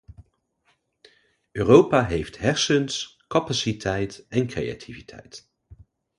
Europa heeft hersens, capaciteit en creativiteit.